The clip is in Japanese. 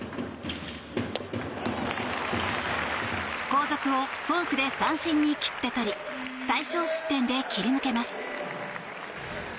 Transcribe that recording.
後続をフォークで三振に切って取り最少失点で切り抜けます。